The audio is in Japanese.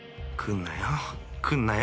［来んなよ。